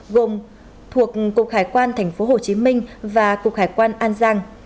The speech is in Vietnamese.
gồm thuộc cục hải quan tp hcm và cục hải quan an giang